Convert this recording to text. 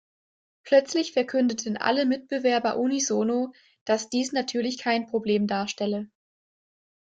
Plötzlich verkündeten alle Mitbewerber unisono, dass dies natürlich kein Problem darstelle.